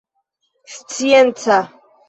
scienca